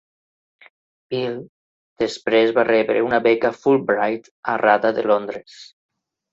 Bill, després va rebre una beca Fulbright a RADA de Londres.